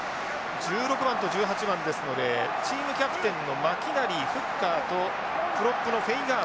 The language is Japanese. １６番と１８番ですのでチームキャプテンのマキナリーフッカーとプロップのフェイガーソン。